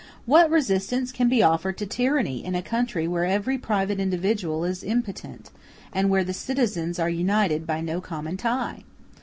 What resistance can be offered to tyranny in a country where every private individual is impotent, and where the citizens are united by no common tie?